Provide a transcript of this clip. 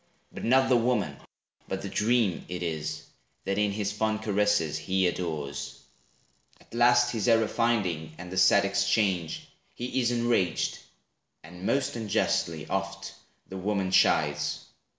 But not the woman, but the dream it is, That in his fond caresses, he adores. At last his error finding, and the sad exchange, He is enraged, and most unjustly, oft, The woman chides.